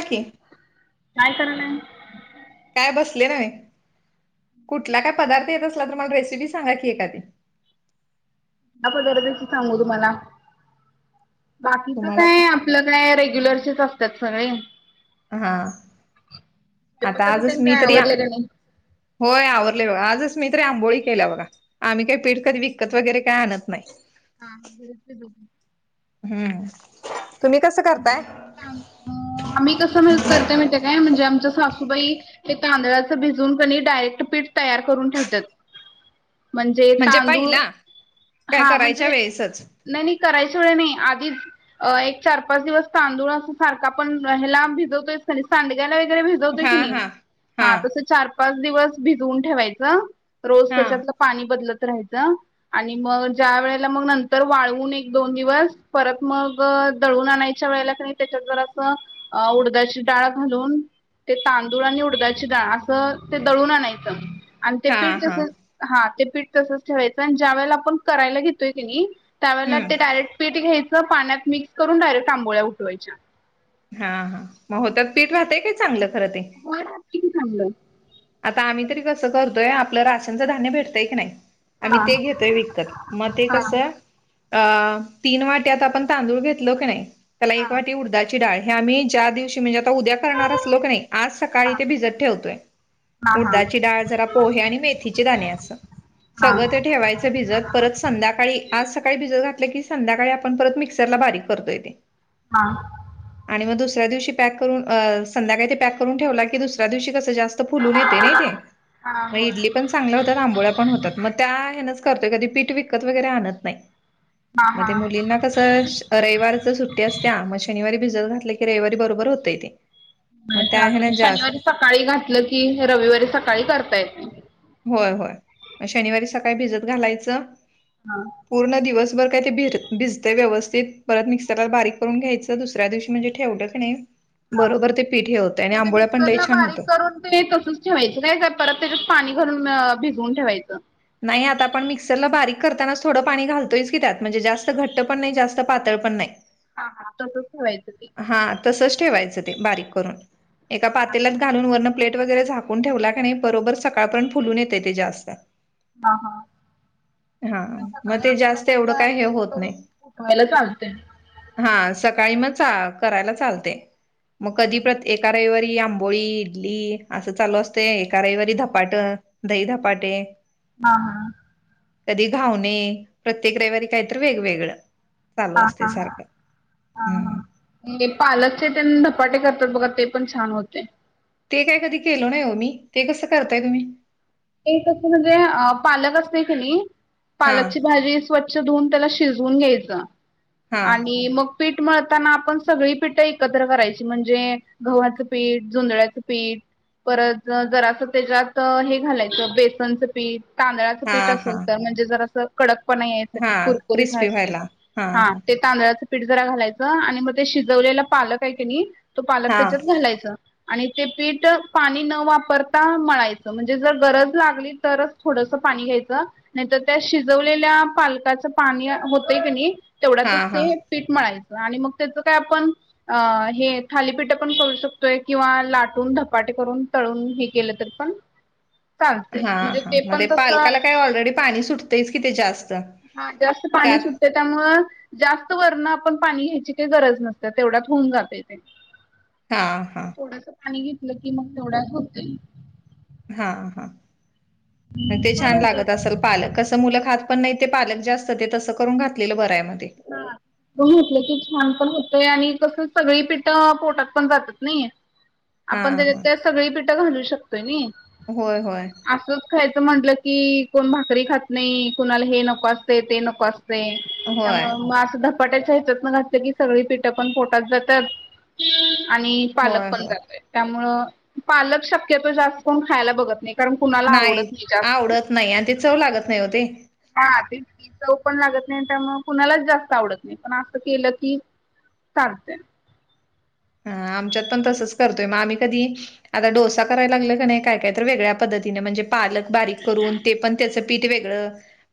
Okay काय करनार? काय बसले नव्हे! कुठला काय पदार्थ येत असला, तर मला रेसिपी सांगा की एखादी? आगोधर कशी सांगू तुम्हाला? बाकीच तुम्हाला आता काय आपलं काय रेग्युलरचेच असत्यात सगळे हा! ! ते आता पदार्थ आजच त्यांनी मी काय तरी आवरले का नाही होय आवरले, होय! बघा आजच मी तरी आंबोळी केल्या बघा आम्ही काही पीठ कधी विकत वगैरे काय? आणत नाही! हा हा गरजच [unintelligible] हम्म, तुम्ही कसं म्हणजे करताय? त्या आम्ही कसं करते माते काय? म्हणजे आमच्या सासूबाई. ते तांदळाच भिजून कनाय डायरेक्ट पीठ तयार करून ठेवतात. म्हणजे तांदूळ काय हा करायच्या म्हणजे! वेळेसच नाही नाही करायच वेळ नाही आधीच एक चार! ! पाच दिवस तांदूळ अस सारखा आपण ह्याला, भिजवतोय सांड्यायला वगैरे हा भिजतो. हा हा तस चार पाच दिवस भिजवून ठेवायच! रोज हा त्याच्यातलं पाणी बदलत राहायचं! आणि मग ज्या वेळेला मग नंतर, वाळवून एक दोन दिवस परत मग दळून आणायचं! वेळेला त्याच्यात जर अस उडद्याची डाळ घालून! ते तांदूळ आणि उडदााची डाळ असं ते दळून आणायचं आणि ते हा पीठ हा तसच हा ते पीठ तसच ठेवायचं! आणि ज्या वेळेला आपण करायला घेतोय की, नयी त्यावेळेला हम्म ते डायरेक्ट पीठ घ्यायंच पाण्यात मिक्स करून डायरेक्ट आंबोळ्या उठवायच्या हा हा मग हो त्यात पीठ राहतय काय चांगलं खरं ते! मय राहतय की चांगल! आता आम्ही तरी कसं करतोय! आपलं राशनचं धान्य भेटतंय की नाय! आम्ही हा ते घेतोय विकत मग ते हा कसं! अ तीन वाट्यात आपण तांदूळ घेतलो की, नाही त्याला एक हा वाटी उडदा ची डाळ हे आम्ही ज्या दिवशी म्हणजे आता उद्या! करणारच लोक नाही आज सकाळी ते भिजत ठेवतोय! उडदाची डाळ जरा पोहे आणि मेथीचे दाणे असं सगळं ते ठेवायचं भिजत! परत संध्याकाळी आज सकाळी भिजत घातलं की, संध्याकाळी आपण परत मिक्सरला बारीक, करतोय तेे! हा आः! ! आणि मग दुसऱ्या दिवशी पॅक करून अं! संध्याकाळी ते पॅक करून ठेवला की, दुसऱ्या दिवशी कसं जास्त! फून य नाही इ पण! चांगल्या होतात आंबोळ्या पण होतात मग त्या! हच करतोय कधीठ विकत वगरे आणत नाही!. म मुलींना कसं. रविवारच सुट्टी असते त्या मग शनिवारी भिजत, घातलं की रविवारी बरोबर होतय ते! मग त्या चालत आहे ना जास्त शनिवारी सकाळी घातलं की, रविवारी सकाळी करता येत. होय होय शनिवारी सकाळी भिजत घालायचं. हा. पूर्ण दिवसभर काय ते भिर भिजते व्यवस्थित परत मिक्सरला बारीक करून घ्यायचं दुसऱ्या दिवशी म्हणजे ठेवलं. [inaudible] हा बरोबर ते पीठ हे होत आणि मग ते आंबोळ्या पण लई मिक्सरला छान होतं. [unintelligible] ठेवायचं काय का परत त्याच्यात पाणी भरून अ भिजवून ठेवायचं. नाही आता आपण मिक्सरला बारीक करतानाच थोडं पाणी घालतोयच की त्यात म्हणजे जास्त घट्ट पण नाही जास्त पातळ पण नाही. हा हा त्बुन ठेवायचं पीठ. हा तसच ठेवायचं ते बारीक करून. एका पातेलात घालून वर्ण प्लेट वगैरे झाकून ठेवला का नाय बरोबर सकाळपर्यंत फुलून येते ते जास्त. हा हा. हा उद्या मग सकाळी ते आपल्याला जास्त कस एवढं काय हे ऍडजस्ट होत नाही. करून उठवायला चालते. हा सकाळी मग चा करायला चालते मग कधी पण एका रविवारी. ही आंबोळी इडली असं चालू असते एका रविवारी धपाट दही धपाटे. हा हा. कधी घावणे प्रत्येक रविवारी काय तर वेगवेगळं. चालू असते हा हा. सारखं हम्म. ते पालकचे तन धपाटे करतात बघा ते पण छान होते. ते काय कधी केलो नाही हो मी ते कसं करताय तुम्ही. ते कस म्हणजे अ पालक असते की नाही हा पालकची भाजी. स्वच्छ धुवून त्याला शिजवून घ्यायचं हा आणि मग पीठ मळताना आपण सगळी पीठ एकत्र करायची म्हणजे. गव्हाचं पीठ जुंजळ्याचं पीठ परत जरा असं त्याच्यात हे घालायचं. बेसनचं पीठ तांदळाचं हा पीठ हा असेल तर म्हणजे जर असं. कडकपणा हा यासाठी कुरकुरीत क्रिस्पी व्हायसाठी व्हायला हा ते तांदळाच - पिठ जरा घालायचं आणि मग ते शिजवलेला पालक आहे क नाही तो पालक हा त्याच्यात घालायच. आणि ते पीठ पाणी न वापरता मळायचं म्हणजे जर गरज लागली तरच थोडस पाणी घ्यायचं. नाही तर त्या शिजवलेल्या पालकाच पाणी होत की नाही हा हा तेवढ्यातच हा ते- पीठ मळायचं आणि मग त्याचं काय आपण अ हे थालीपीठ पण करू शकतोय किंवा लाटून धपाटे करून तळून हे केलं तर पण चालते हा म्हणजे हा ते पण मध्ये तसं पालकाला काय ऑलरेडी पाणी सुटतंयच कि ते जास्त. हा जास्त पाणी त्यात सूट त्याच्यामुळे जास्त वरणं आपण पाणी घ्यायची काही गरज नसते तेवढ्यात होऊन जातयं ते. [unintelligible] हां हा. थोडस पाणी घेतलं की मग तेवढ्यात होतय. हा हा मग ते छान लागत असल पालक. कस मुलं खात पण नाही ते पालक जास्त ते तसं करून घातलेलं बराय मग ते. हा. [inaudible] की छान पण होतय आणि कसं सगळी पीठ पोटात पण जातात नाही. हा आपण त्याच्यात हा काय सगळी पिठं घालू शकतोय नाई. होय होय. असंच खायचं म्हटलं की कोण भाकरी खात नाही कुणाला हे नको असतय ते नको असतय. होय त्यामुळे मग अस धपाट धपाट्याच्या हेच्यात पण घातलं की सगळी पिठं पण पोटात जात्यात आणि पालक होय पण होय जातोय त्यामुळे पालक शक्यतो जास्त कोण खायला बघत नाही. कारण कुणाला आवडत नाही जास्त. नाही आणि ते चव लागत नाही ओ‌ ते. हा तेच चव पण लागत नाही त्यामुळं मग कुणालाच जास्त आवडत नाही पण असं केलं की, चालतंय. हा आमच्यात पण तसंच करतोय मग आम्ही कधी. आता डोसा कराय लागलं का नाही काय काय तर वेगळ्या पद्धतीने म्हणजे. पालक बारीक करून ते पण त्याच पीठ वेगळं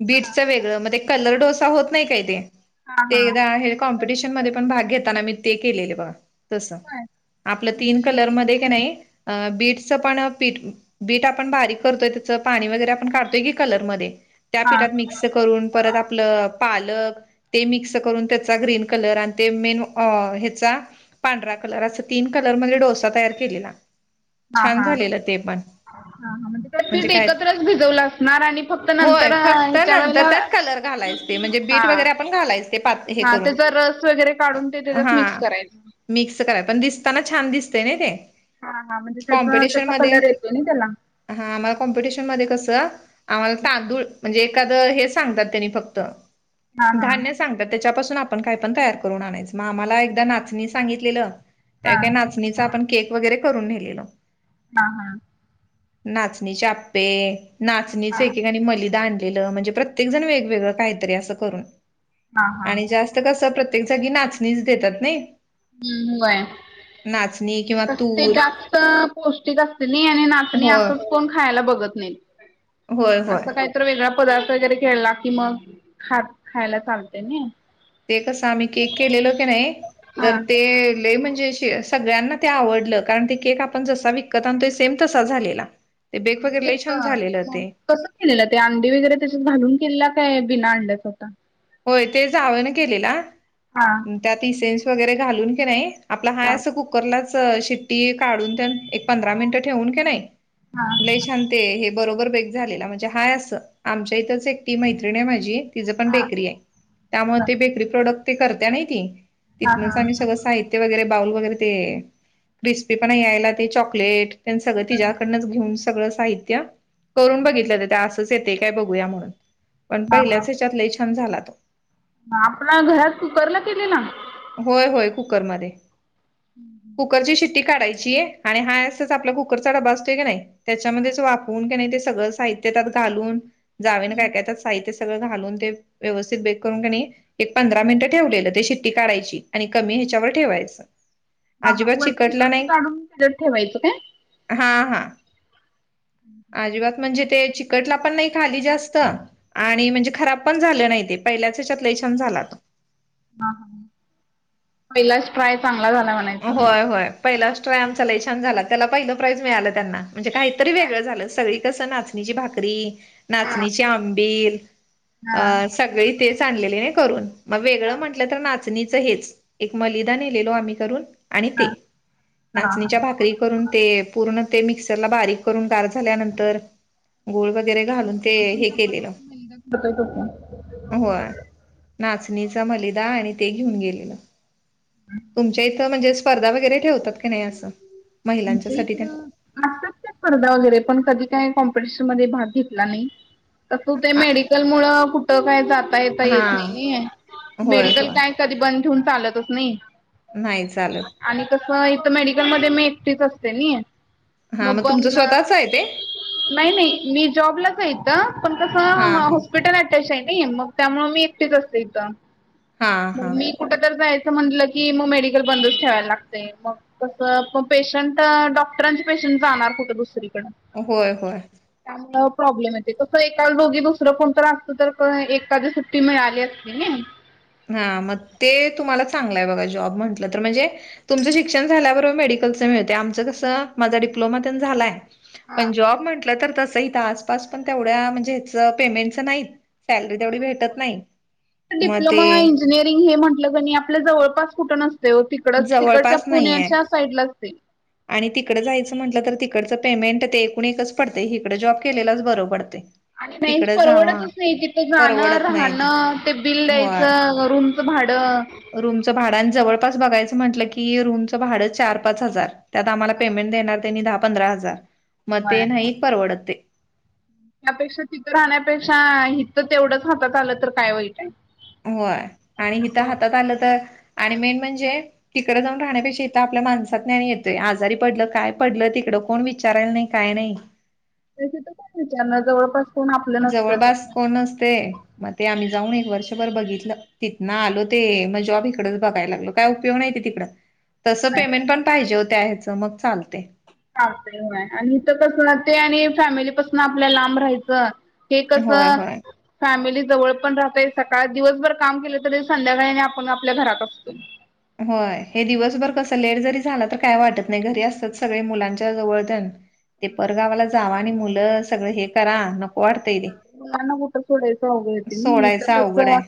बीटचं वेगळ मग ते कलर डोसा होत नाही काय ते हा ते हा एकदा कॉम्पिटिशन मध्ये पण भाग घेताना मी ते केलेले बघा. तस आपलं तीन कलरमध्येध की नाही बीटचं पण पीठ बीट आपण बारीक करतोय त्याचं पाणी वगैरे आपण काढतोय की कलर मध्ये त्या हा पीठात मिक्स करून परत आपलं पालक ते मिक्स करून त्याचा ग्रीन कलर आणि ते मेन ह्याचा पांढरा कलर अस तीन कलर मध्ये डोसा तयार केलेला छान झालेलं ते पण. ह हा म्हणजे पीठ एकत्रच भिजवलं असणार आणि फक्त नंतर होय फक्त ह्याच्या नंतर वेळेला त्यात कलर घालायच ते म्हणजे हा बीट वगैरे आपण घालायच ते पात हे हा त्याचा करून रस वगैरे काढून ते त्याच्यात हा मिक्स करायचं. मिक्स कराय पण दिसताना छान दिसतय नाही ते. हा हा म्हणजे त्याचा कॉम्पिटिशन त्याचा मध्ये कलर येतोय ना त्याला. हा आम्हाला कॉम्पिटिशन मध्ये कसं आम्हाला तांदूळ म्हणजे एखादं हे सांगत्यात त्यांनी फक्त. हा हा धान्य सांगत्यात त्याच्याासून आपण काय पण तयार करून आणायच मग आम्हाला एकदाच नाचणी सांगितलेलं त्या हा वेळी नाचणीचा आपण केक वगैरे करून नेलेलो. हा हा‌. नाचणीचे आप्पे, नाचणीच एकेकाणी मलिदा आणलेलं म्हणजे प्रत्येक जण वेगवेगळं काहीतरी अस करून हा हा आणि जास्त कसं प्रत्येक जागी नाचणीच देत्यात नाही. हम् व्हय. नाचणी किंवा कसं ते तूर जास्त पौष्टिक असते नाही आणि नाचणी होय असं कोण खायला बघत नाही होय होय असं काय तर वेगळा पदार्थ वगैरे केला कि मग खात खायला चालतय नाही ते कसं आम्ही केक केलेलो की नाही तर हा ते म्हणजे शे सगळ्यांना ते आवडलं. कारण ते केक, आपण जसा विकत आणतोय, सेम तसाच झालेला. ते बेक वगैरे लय छान झालेलं ते. कस केलेलं ते अंडी वगैरे, त्याच्या घालून केलेला, काय बिना अंड्याचा होता. होय ते जावनं केलेला त्यात इसेन्स, वगैरे घालून की नाहीयं. आपला हाय असं कुकरलाच शिट्टी काढून तेन, एक पंधरा मिनिटं ठेवून किनाहीयं. हाआ. लय छानं ते हे, बरोबर बेक झालेला म्हणजे हाय असं. आमच्या इथंच एकटी मैत्रिणी आहे माझी तिचं पण बेकरी आहे. त्यामुळे ती, बेकरी प्रोडक्ट ते, करत्या ना ती. तिथनच आम्ही सगळं साहित्या ते वगैरे बाउल वगैरे ते, क्रिस्पीपणा यायला ते चॉकलेट. तेन सगळ तीज्याकडनंच घेऊन सगळं साहित्य करून बघितलं तर, त्या असंच येतय काय बघूया म्हणून पण हा पहिल्याच ह्याच्यात लय छान झाला तो. आपल्या घरात कुकरला केलेला? होय होय कुकरमध्ये, कुकरची शिट्टी काढायची आणि हाय असचं आपला कुकरचा डबा असतोय की नाही, त्याच्यामध्येच वाफ वून की नय ते सगळं साहित्य त्यात घालून, जावेनं काय काय त्यात साहित्य सगळं घालून ते व्यवस्थित बेक करून क नई एक पंधरा मिनिटं ठेवलेलं ते शि ट्टी काढायची आणि कमी ह्याच्यावर ठेवायचं. हा हा, अजिबात वरची चिकटला शिट्टी नाही काढून त्यांच्यात ठेवायचं काय? हा हा, अजिबात म्हणजे ते चि कटला पण नाही खाली जास्त आणि म्हणजे खराब पण झालं नाही, ते पहिल्याचं हेच्यात लई छान झाला तो. हा हा, पहिलाच ट्राय चांगला झाला म्हणा होय होय, पहिलाच ट्राय आमचा लई छान झाला, त्याला पहिलं प्राईज मिळालं त्यांना म्हणजे काहीतरी वेगळं झालं सगळी कसं, नाचणीची भाकरी नाचणीचे आंबिल अ सगळी तेच आणलेले न करून, मग वेगळं म्हटलं तर नाचणीचं हेच. एक मलिदा नेलेलो आम्ही करून आणि ते नाचणीच्या भाकरी करुन ते पूर्ण ते मिक्सरला बारीक करून, गार झाल्यानंतर गुळ वगैरे घालून ते हे केलेल होतोय तसं. अ होय, नाचणीचा मलिदा आणि ते घेऊन गेलेलो. तुमच्या इथं म्हणजे स्पर्धा वगैरे ठेवतात का नाही असं? आमच्या महिलांच्यासाठी तेन? इकडं असतात त्या स्पर्धा वगैरे, पण कधी काय कॉम्पिटिशन मध्ये भाग घेतला नाई. आता तू ते आ मेडिकलमुळं कुठं काय जाता येता येत हां. नाही, होय, मेडिकल होय. काय कधी बंद ठेऊन चालतच नाही. नाही चालत. आणि कस इथं मेडिकलमध्ये मी एकटीच असते मी. हां, मग तुमचं बंद स्वतःच आहे ते? नाही नाही, मी जॉबलाच आहे इथं पण कसं हां, हां. हॉस्पिटल [unintelligible] आहे नी मग त्यामुळे मी एकटीचं असते इथं हां, मग हां. मी कुठ तर जायचं म्हटलं की मग मेडिकल बंदच ठेवायला लागतंय मग कसं पेशंट डॉक्टरांचं पेशंट जाणार कुठं दुसरीकडं? होय, होय. त्यामुळं प्रॉब्लेम येतोय, कसं एकाला दोघी दुसरं कोणतर असत तर एखादी सुट्टी मिळाली असती की नई. हां, मग ते तुम्हाला चांगलंय बघा जॉब म्हंटलं तर म्हणजे तुमचं शिक्षण झाल्याबरोबर मेडिकलच मिळतय. आमचं कसं माझा डिप्लोमा तेन झालाय. हा. पण जॉब म्हंटलं तर तसं हीत आसपास पण तेवढ्या म्हणजे हेच पेमेंटचं नाहीत. सॅलरी तेवढी भेटत नाही. मग म, ते इंजिनिअरिंग हे म्हटलं क नई आपल्या जवळपास कुठ नसतयो ति कडचं तिकडच्या जवळपास नाहीये. पुण्याच्या साईडलाच ते. आणि तिकड जायचं म्हंटलं तर तिकडचं पेमेंट ते एकूण एकच पडतयं, इकडं जॉब केलेलाच बरं पडतयं. आणि नाहीच परवडतच नाही तिथं जाणं परवडत नाही राहणं ते बिल होय. द्यायचं रुम च भाडं रूमचं भाडं आणि जवळपास बघायचं म्हटलं की, रूमचं भाडं चार पाच हजार. त्यात आम्हाला पेमेंट देणार त्यांनी दहा पंधरा हजार मग ते नाही परवडत ते. त्यापेक्षा तिथं राहण्यापेक्षा हित तेवढंच हातात आलं तर काय वाईट आहे. होय आणि हिथं हातात आलं तर, आणि मेन म्हणजे तिकडं जाऊन राहण्यापेक्षा इथं आपल्या माणसातन येतोय आजारी पडलं काय पडलं तिकडे कोण विचारायला नाही काही नाही. ते तिथं पण विचारणार जवळपास कोण आपलं नसतं जवळपास कोण तसं. नसते मग ते आम्ही जाऊन एक वर्षभर बघितलं. तिथ ना आलो ते मग जॉब इकडचं बघाय लागलो काय उपयोग नाही ते तिकडं. तसं पेमेंट पण पाहिजे होत्या या् ह्याचं मग चालते. ह आणि इथं कस ते आणि फॅमिलीपसून आपल्या लांब राहायचं हे होय कसं होय फॅमिली जवळ पण राहताय, सकाळ दिवसभर काम केलं तरी संध्याकाळीने आपण आपल्या घरात असतो. होय, हे दिवसभर कसं लेट जरी झाला तर काय वाटत नाही, घरी असतात सगळे मुलांच्या जवळतण.. ते परगावाला जावा आणि मुलं सगळं हे करा म मुलांना कुठं सोडायचं वगंेत आणि इथं सोडायचं अवघड कसं आहे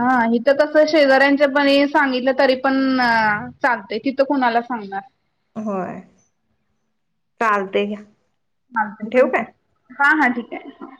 हा हिथं कसं शेजाऱ्यांच्या पणी सांगितलं तरी पण सागते तिथं कुणाला सांगणार. होय, चालते घ्या. मला तरी ठेवू ठीक काय? आहे हा, हा ठीक आहे.